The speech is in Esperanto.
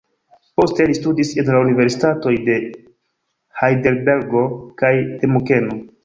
Poste li studis en la Universitatoj de Hajdelbergo kaj de Munkeno.